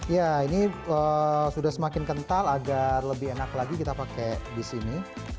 ya ini sudah semakin kental agar lebih enak lagi kita pakai di sini